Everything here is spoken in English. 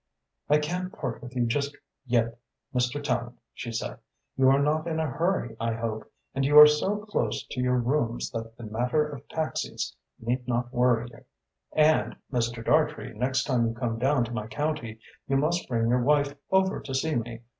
"I can't part with you just yet, Mr. Tallente," she said. "You are not in a hurry, I hope, and you are so close to your rooms that the matter of taxies need not worry you. And, Mr. Dartrey, next time you come down to my county you must bring your wife over to see me.